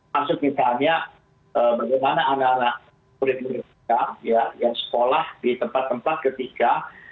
maksud misalnya bagaimana anak anak yang sekolah di tempat tempat ketiga